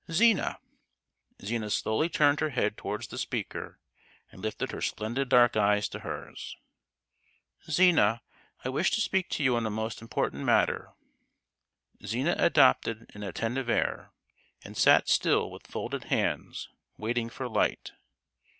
"Zina!" Zina slowly turned her head towards the speaker, and lifted her splendid dark eyes to hers. "Zina, I wish to speak to you on a most important matter!" Zina adopted an attentive air, and sat still with folded hands, waiting for light.